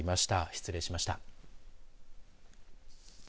失礼しました。